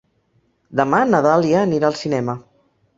Demà na Dàlia anirà al cinema.